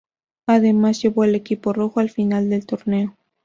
Además, llevó al equipo rojo a la final del torneo.